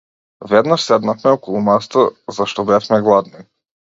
Веднаш седнавме околу масата зашто бевме гладни.